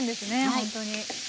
ほんとに。